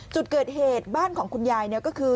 จุดเกิดเหตุบ้านของคุณยายเนี่ยก็คือ